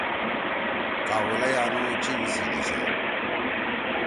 کاؤلئی آنُو چین سی دیِشا